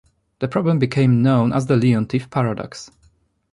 This problem became known as the Leontief paradox.